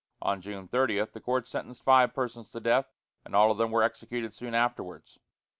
On June 30 the court sentenced five persons to death, and all of them were executed soon afterwards.